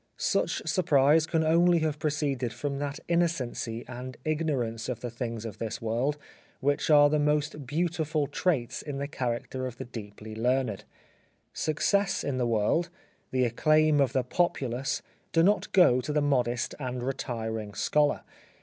Such surprise can only have proceeded from that innocency and ignor ance of the things of this world which are the most beautiful traits in the character of the deeply learned. Success in the world, the acclaim of the populace do not go to the modest and retiring scholar.